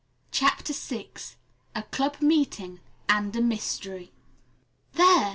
CHAPTER VI A CLUB MEETING AND A MYSTERY "There!"